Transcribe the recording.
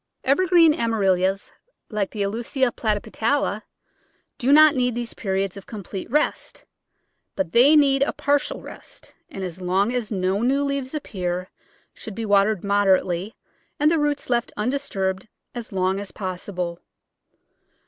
Evergreen Amaryllis, like the Aulica platypetala, do not need these periods of complete rest, but they need a partial rest, and as long as no new leaves appear should be watered mod erately and the roots left undisturbed as long as pos sible.